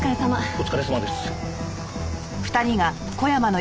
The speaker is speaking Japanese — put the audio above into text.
お疲れさまです。